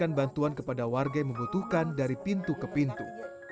dan bantuan kepada warga yang membutuhkan dari pintu ke pintu